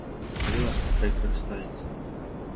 Калі ласка, хай карыстаецца!